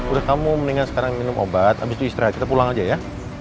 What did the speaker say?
udah kamu mendingan sekarang minum obat abis itu istirahat kita pulang aja ya